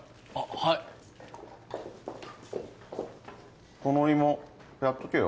はいこの芋やっとけよ